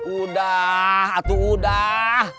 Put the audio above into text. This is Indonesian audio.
udah atu udah